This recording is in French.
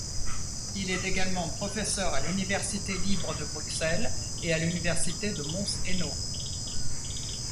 Il est également professeur à l'Université libre de Bruxelles et à l'Université de Mons-Hainaut.